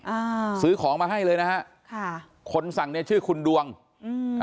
อ่าซื้อของมาให้เลยนะฮะค่ะคนสั่งเนี้ยชื่อคุณดวงอืม